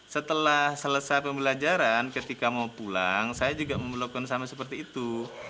setelah selesai pembelajaran ketika mau pulang saya juga melakukan sama seperti itu